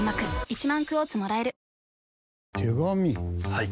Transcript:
はい。